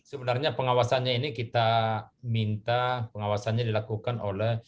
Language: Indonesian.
sebenarnya pengawasannya ini kita minta pengawasannya dilakukan oleh